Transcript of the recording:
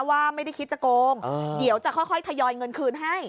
ว่าไม่ได้คิดจะโกงเดี๋ยวจะค่อยทยอยเงินคืนให้